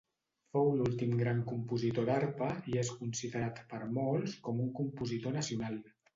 Fou l'últim gran compositor d'arpa i és considerat per molts com un compositor nacional.